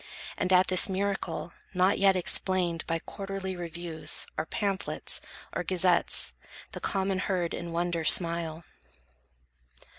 And at this miracle, not yet explained By quarterly reviews, or pamphlets, or Gazettes, the common herd in wonder smile.